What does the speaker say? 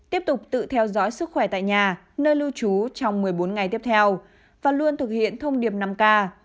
tiếp tục tự theo dõi sức khỏe tại nhà nơi lưu trú trong một mươi bốn ngày tiếp theo và luôn thực hiện thông điệp năm k